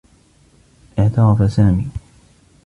اعترف سامي.